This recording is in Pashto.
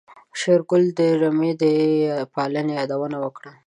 شېرګل د رمې د پالنې يادونه وکړه.